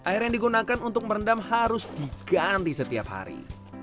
air yang digunakan untuk merendam harus diganti setiap hari